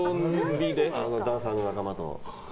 ダンサーの仲間と。